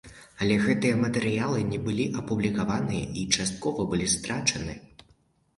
Але гэтыя матэрыялы не былі апублікаваныя і часткова былі страчаны.